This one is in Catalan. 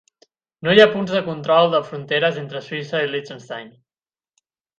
No hi ha punts de control de fronteres entre Suïssa i Liechtenstein.